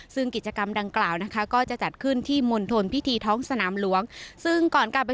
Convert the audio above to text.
ซึ่งกิจกรรมดังกล่าวนะคะก็จะจัดขึ้นที่มณฑลพิธีท้องสนามหลวงซึ่งก่อนการไป